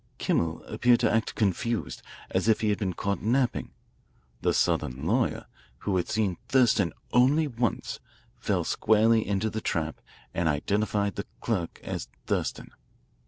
Kimmel appeared to act confused, as if he had been caught napping. The Southern lawyer, who had seen Thurston only once, fell squarely into the trap and identified the clerk as Thurston.